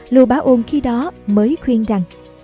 lưu bá ôn khi đó mới khuyên rằng